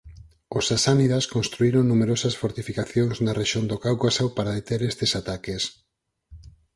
Os sasánidas construíron numerosas fortificacións na rexión do Cáucaso para deter estes ataques.